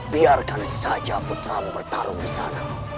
biarkan saja putramu bertarung di sana